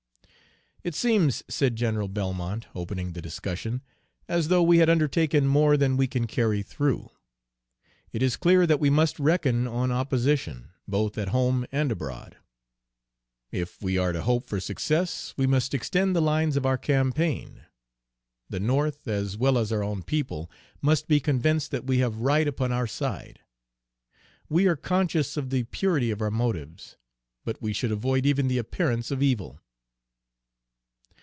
"It seems," said General Belmont, opening the discussion, "as though we had undertaken more than we can carry through. It is clear that we must reckon on opposition, both at home and abroad. If we are to hope for success, we must extend the lines of our campaign. The North, as well as our own people, must be convinced that we have right upon our side. We are conscious of the purity of our motives, but we should avoid even the appearance of evil."